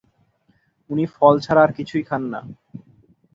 উনি ফল ছাড়া আর কিছুই খান না।